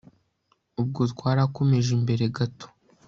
ubwo twarakomeje imbere gato